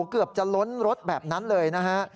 เกือบจะล้นรถแบบนั้นเลยนะฮะ